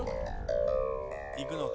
いくのか？